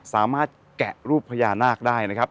สามารถแกะรูปพญานาคได้นะครับ